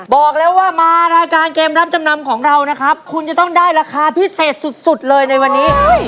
บอกแล้วว่ามารายการเกมรับจำนำของเรานะครับคุณจะต้องได้ราคาพิเศษสุดเลยในวันนี้